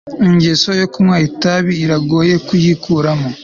ingeso yo kunywa itabi iragoye kuyikuramo